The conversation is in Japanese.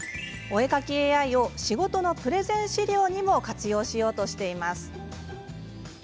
お絵描きＡＩを仕事のプレゼン資料にも活用しようとしています。